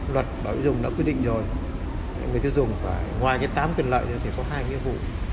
luật bảo dùng đã quyết định rồi người tiêu dùng ngoài tám quyền lợi thì có hai nhiệm vụ